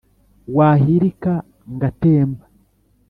wahilika ngatemba